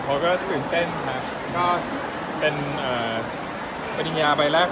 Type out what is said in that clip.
น่าจะอุดเต้นกว่าผมเยอะเลยครับผม